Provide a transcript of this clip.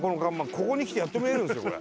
ここに来てやっと見えるんですよこれ。